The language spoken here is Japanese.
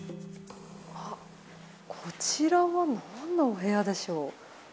こちらは何のお部屋でしょう。